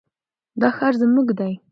دا ښار زموږ دی.